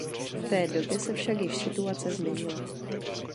V té době se však již situace změnila.